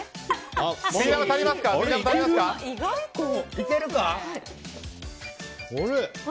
いけるか？